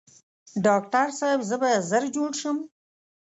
ډاکټر صاحب زه به ژر جوړ شم؟